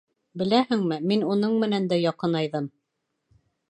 Беләһеңме, мин уның менән дә яҡынайҙым.